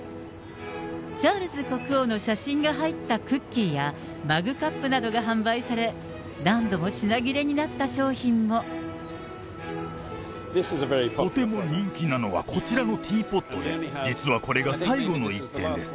チャールズ国王の写真が入ったクッキーや、マグカップなどが販売され、とても人気なのはこちらのティーポットで、実はこれが最後の１点です。